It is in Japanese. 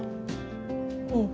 うん。